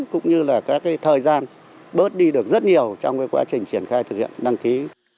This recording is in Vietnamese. cũng như là các thời gian bớt đi được rất nhiều trong quá trình triển khai thực hiện đăng ký